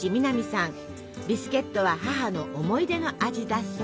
ビスケットは母の思い出の味だそう。